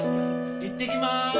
行ってきまーす！